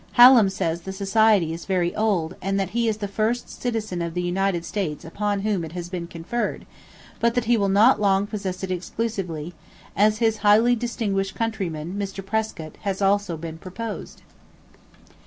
Hallam says the society is very old and that he is the first citizen of the United States upon whom it has been conferred, but that he will not long possess it exclusively, as his "highly distinguished countryman, Mr. Prescott, has also been proposed."